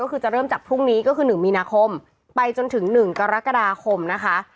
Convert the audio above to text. ก็คือจะเริ่มจากพรุ่งนี้ก็คือ๑มีนาคมไปจนถึง๑กรกฎาคมนะคะ